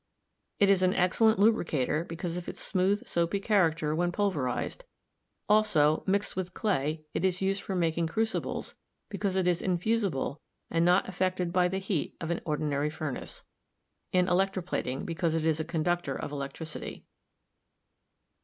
It is an excellent lubricator because of its smooth soapy character when pulverized; also, mixed with clay it is used for making crucibles be cause it is infusible and not affected by the heat of an ordinary furnace; in electroplating because it is a con ductor of electricty.